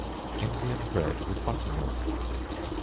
Indian Bread with Butter milk.